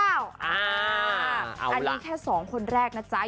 อันนี้แค่๒คนแรกนะจ๊ะ